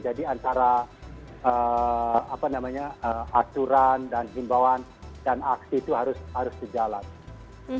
jadi antara aturan dan himbawan dan aksi itu harus dijalankan